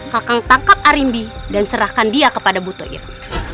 kakang tangkap arimbi dan serahkan dia kepada buto itu